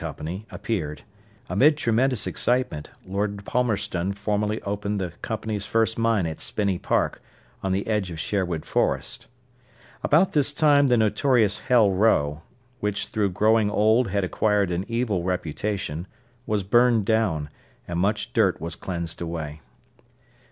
appeared. Amid tremendous excitement, Lord Palmerston formally opened the company's first mine at Spinney Park, on the edge of Sherwood Forest. About this time the notorious Hell Row, which through growing old had acquired an evil reputation, was burned down, and much dirt was cleansed away.